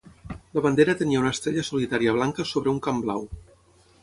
La bandera tenia una estrella solitària blanca sobre un camp blau.